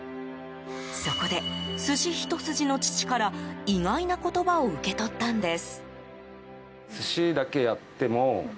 そこで、寿司一筋の父から意外な言葉を受け取ったんです。